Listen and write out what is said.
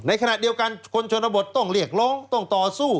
ในขณะเดียวกันคนชนบทต้องเรียกร้องต้องต่อสู้